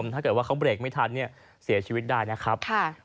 ถ้าเกิดว่าเขาเบรกไม่ทันเนี่ยเสียชีวิตได้นะครับ